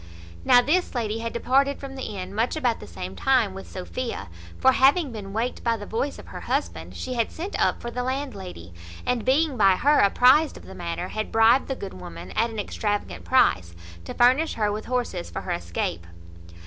Now this lady had departed from the inn much about the same time with Sophia; for, having been waked by the voice of her husband, she had sent up for the landlady, and being by her apprized of the matter, had bribed the good woman, at an extravagant price, to furnish her with horses for her escape.